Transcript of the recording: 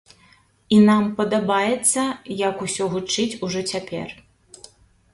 І нам падабаецца, як усё гучыць ужо цяпер.